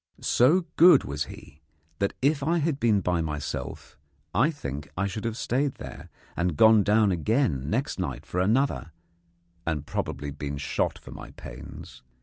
So good was he that, if I had been by myself, I think I should have stayed there, and gone down again next night for another, and probably been shot for my pains.